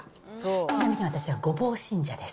ちなみに、私はごぼう信者です。